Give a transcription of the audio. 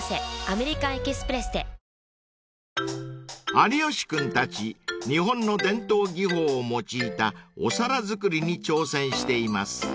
［有吉君たち日本の伝統技法を用いたお皿作りに挑戦しています］